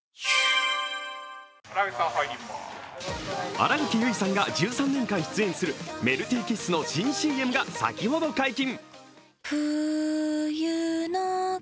新垣結衣さんが１３年間出演するメルティーキッスの新ＣＭが先ほど解禁。